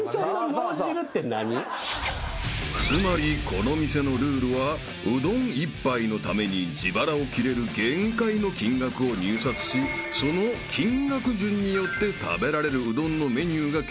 ［つまりこの店のルールはうどん１杯のために自腹を切れる限界の金額を入札しその金額順によって食べられるうどんのメニューが決定］